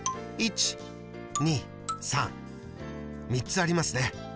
３つありますね。